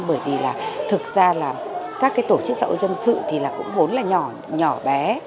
bởi vì là thực ra là các cái tổ chức xã hội dân sự thì cũng vốn là nhỏ nhỏ bé